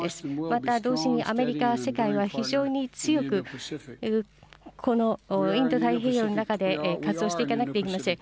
また同時にアメリカは、世界は非常に強く、このインド太平洋の中で活動していかなくてはなりません。